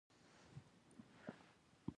د میرمنو کار د ښځو واک زیاتوي.